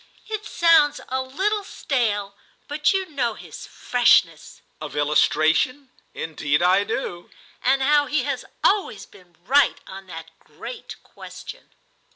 "It sounds a little stale, but you know his freshness." "Of illustration? Indeed I do!" "And how he has always been right on that great question."